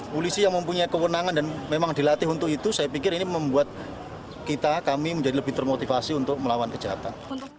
polisi yang mempunyai kewenangan dan memang dilatih untuk itu saya pikir ini membuat kita kami menjadi lebih termotivasi untuk melawan kejahatan